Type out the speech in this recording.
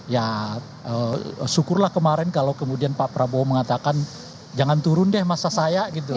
ya syukurlah kemarin kalau kemudian pak prabowo mengatakan jangan turun deh masa saya gitu